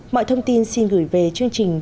mọi thông tin xin gửi về chương trình